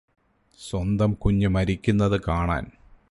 സ്വന്തം കുഞ്ഞ് മരിക്കുന്നത് കാണാന്